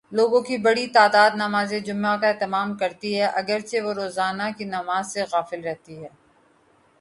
لوگوں کی بڑی تعداد نمازجمعہ کا اہتمام کرتی ہے، اگر چہ وہ روزانہ کی نماز سے غافل رہتی ہے۔